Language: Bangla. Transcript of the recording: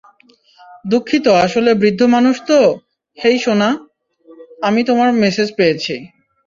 দুঃখিত আসলে বৃদ্ধ মানুষ তো হেই, সোনা, আমি তোমার মেসেজ পেয়েছি।